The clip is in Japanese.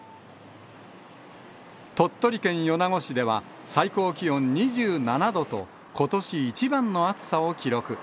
鳥取県米子市では、最高気温２７度と、ことし一番の暑さを記録。